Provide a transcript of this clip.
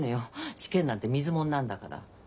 試験なんて水もんなんだから。